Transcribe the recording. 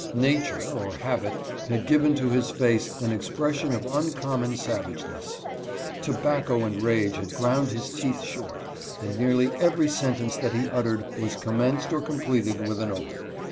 Nature, or habit, had given to his face an expression of uncommon savageness. Tobacco and rage had ground his teeth short, and nearly every sentence that he uttered was commenced or completed with an oath.